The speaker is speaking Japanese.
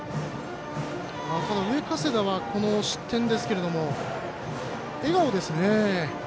上加世田は失点ですけれども笑顔ですね。